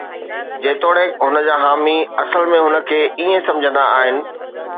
جيتوڻيڪ هن جا حامي اصل ۾ هن کي ائين سمجهندا آهن.